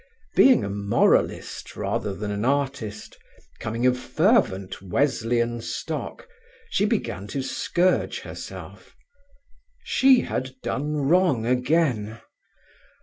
Being a moralist rather than an artist, coming of fervent Wesleyan stock, she began to scourge herself. She had done wrong again.